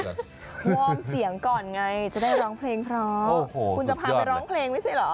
พวมเสียงก่อนไงจะได้ร้องเพลงพร้อม